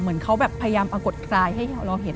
เหมือนเขาแบบพยายามปรากฏกายให้เราเห็น